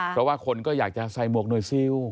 เพราะว่าคนก็อยากจะใส่หมวกหน่วยซิล